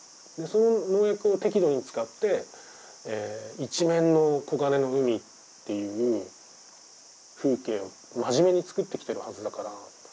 でその農薬を適度に使って一面の黄金の海っていう風景を真面目に作ってきてるはずだから。